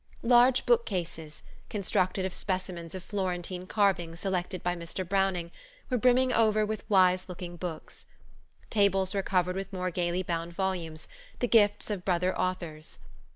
Large bookcases, constructed of specimens of Florentine carving selected by Mr. Browning, were brimming over with wise looking books. Tables were covered with more gayly bound volumes, the gifts of brother authors.